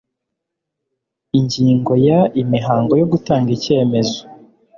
ingingo ya imihango yo gutanga icyemezo